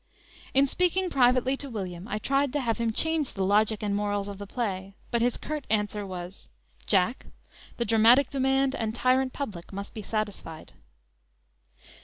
In speaking privately to William I tried to have him change the logic and morals of the play, but his curt answer was: "Jack, the dramatic demand and tyrant public must be satisfied."